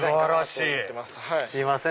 すいません